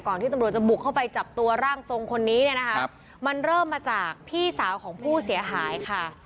ที่ตำรวจจะบุกเข้าไปจับตัวร่างทรงคนนี้เนี่ยนะคะมันเริ่มมาจากพี่สาวของผู้เสียหายค่ะ